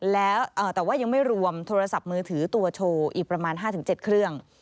แล้วแต่ว่ายังไม่รวมโทรศัพท์มือถือตัวโชว์อีกประมาณ๕๗เครื่อง